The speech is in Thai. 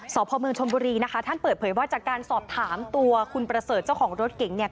สพเมืองชนบุรีนะคะท่านเปิดเผยว่าจากการสอบถามตัวคุณประเสริฐเจ้าของรถเก๋งเนี่ย